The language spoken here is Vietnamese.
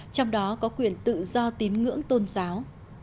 trong đó có quyền tự do tín ngưỡng tôn giáo